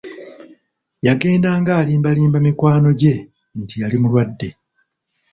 Yagendanga alimbalimba mikwano gye nti yali mulwadde!